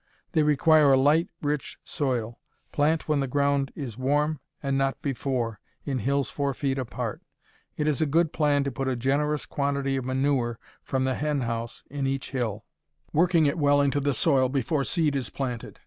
They require a light, rich soil. Plant when the ground is warm, and not before, in hills four feet apart. It is a good plan to put a generous quantity of manure from the henhouse in each hill, working it well into the soil before seed is planted.